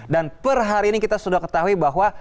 dan per hari ini kita sudah ketahui bahwa